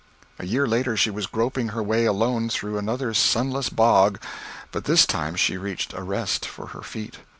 A year later, she was groping her way alone through another sunless bog, but this time she reached a rest for her feet.